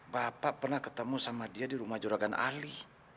bapak pernah ketemu sama dia di rumah juragan ali